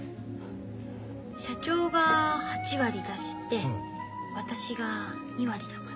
社長が８割出して私が２割だから。